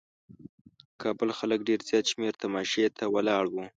د کابل خلک ډېر زیات شمېر تماشې ته ولاړ وو.